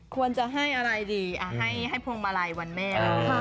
ควรจะให้อะไรดีให้พวงมาลัยวันแม่